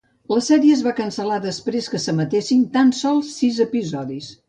La sèrie es va cancel·lar després que s'emetessin tan sols sis episodis.